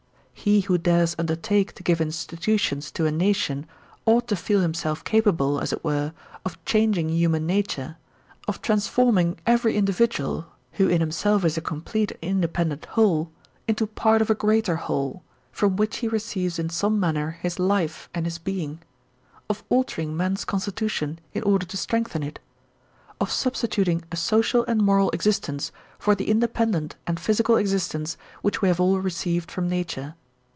He who dares undertake to give institutions to a nation ought to feel himself capable, as it were, of changing human nature; of transforming every individual, who in himself is a complete and independent whole, into part of a greater whole, from which he receives in some man ner his life and his being; of altering man's constitution in order to strengthen it; of substituting a social and moral existence for the independent and physical exist ence which we have aU received from nature.